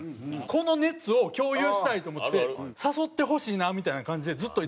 この熱を共有したいと思って誘ってほしいなみたいな感じでずっといたんですよ。